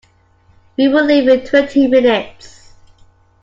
We will leave in twenty minutes.